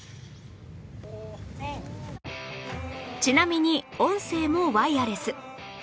ちなみに音声もワイヤレス